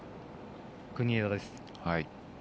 国枝です。